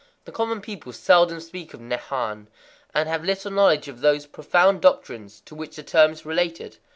The common people seldom speak of Nehan, and have little knowledge of those profound doctrines to which the term is related.